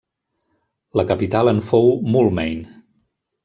La capital en fou Moulmein.